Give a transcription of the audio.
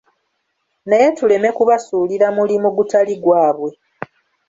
Naye tuleme kubasuulira mulimu gutali gwabwe.